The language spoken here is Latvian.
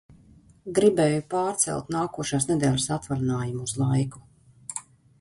Gribēju pārcelt nākošās nedēļas atvaļinājumu uz laiku.